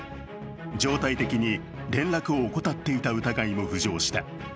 常態的に連絡を怠っていた疑いも浮上した。